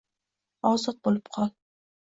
Ozod bo’lib qol».